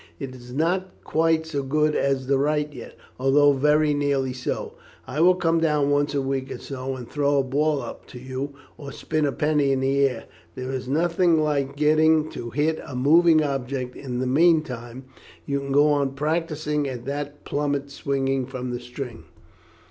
It is not quite so good as the right yet, although very nearly so. I will come down once a week or so and throw up a ball to you or spin a penny in the air; there is nothing like getting to hit a moving object. In the meantime you can go on practising at that plummet swinging from the string.